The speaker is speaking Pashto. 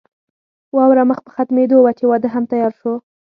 واوره مخ په ختمېدو وه چې واده هم تيار شو.